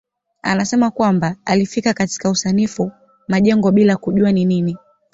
Anasema kwamba alifika katika usanifu majengo bila kujua ni nini.